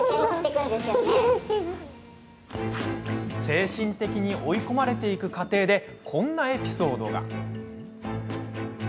精神的に追い込まれていく過程でこんなエピソードが。